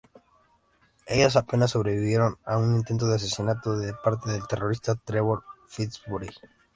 Ellos apenas sobrevivieron a un intento de asesinato de parte del terrorista Trevor Fitzroy.